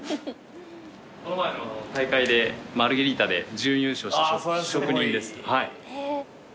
この前の大会でマルゲリータで準優勝した職人です。